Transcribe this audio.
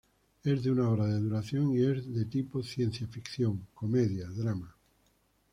Es de una hora de duración, y es de tipo ciencia ficción, comedia, drama.